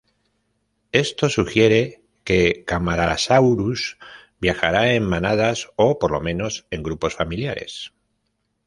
Esto sugiere que "Camarasaurus" viajara en manadas o, por lo menos, en grupos familiares.